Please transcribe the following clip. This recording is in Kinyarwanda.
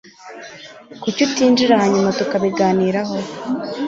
kuki utinjira hanyuma tukabiganiraho